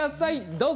どうぞ。